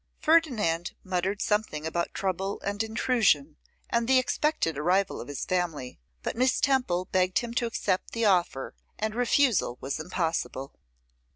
Ferdinand muttered something about trouble and intrusion, and the expected arrival of his family; but Miss Temple begged him to accept the offer, and refusal was impossible.